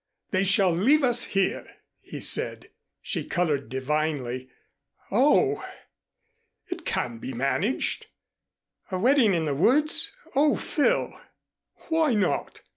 They shall leave us here!" he said. She colored divinely. "Oh!" "It can be managed." "A wedding in the woods! Oh, Phil!" "Why not?